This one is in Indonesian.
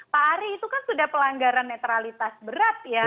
pak ari itu kan sudah pelanggaran netralitas berat ya